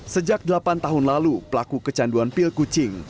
sejak delapan tahun lalu pelaku kecanduan pil kucing